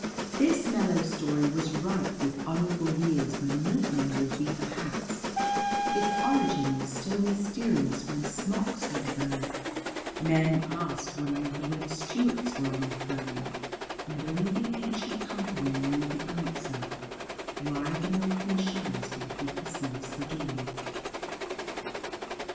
This mellow story was ripe with honourable years when milkmen wore beaver hats, its origin was still mysterious when smocks were the vogue, men asked one another when Stuarts were on the throne (and only the Ancient Company knew the answer) why the milkman shudders when he perceives the dawn.